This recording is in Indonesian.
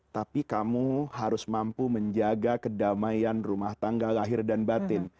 tapi kamu harus mampu menjaga kedamaian rumah tangga lahir dan batin